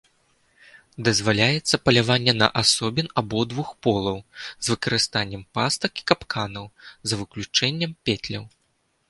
Дазваляецца паляванне на асобін абодвух полаў з выкарыстаннем пастак і капканаў, за выключэннем петляў.